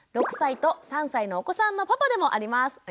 ６歳と３歳のお子さんのパパでもあります。